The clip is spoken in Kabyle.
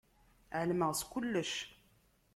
Ɛelmeɣ s kullec.